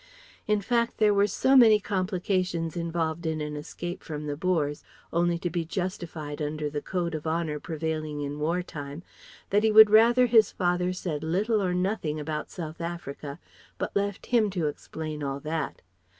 In fact there were so many complications involved in an escape from the Boers, only to be justified under the code of honour prevailing in war time, that he would rather his father said little or nothing about South Africa but left him to explain all that.